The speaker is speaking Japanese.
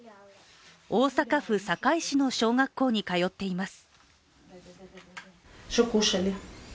大阪府堺市の小学校に通っています。